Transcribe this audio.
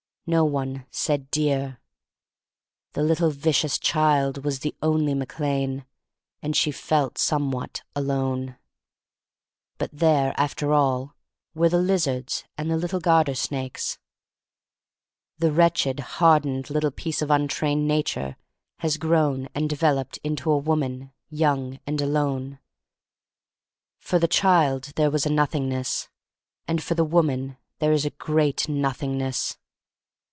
No one said "dear." The little vicious child was the only Mac Lane, and she felt somewhat alone. But there, after all, were the lizards and the little garter snakes. The wretched, hardened little piece of untrained Nature has grown and de veloped into a woman, young and alone THE STORY OF MARY MAC LANE 69 For the child there was a Nothingness, and for the woman there is a great Nothingness.